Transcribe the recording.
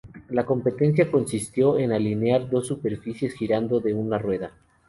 La competencia consistió en alinear dos superficies girando de una rueda.